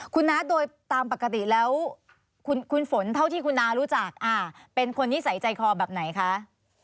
คุณน้าโดยตามปกติแล้วคุณฝนเท่าที่คุณน้ารู้จักเป็นคนนิสัยใจคอแบบไหนคะ